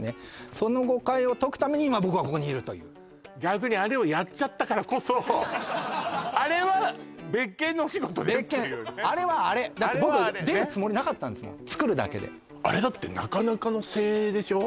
その誤解を解くために今僕はここにいるという逆にあれをやっちゃったからこそあれは別件のお仕事ですっていうねだって僕出るつもりなかったんですもん作るだけであれだってなかなかの精鋭でしょ？